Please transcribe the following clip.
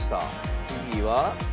次は。